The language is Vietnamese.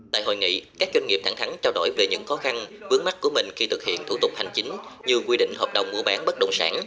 tại hội nghị các doanh nghiệp thẳng thắng trao đổi về những khó khăn vướng mắt của mình khi thực hiện thủ tục hành chính như quy định hợp đồng mua bán bất động sản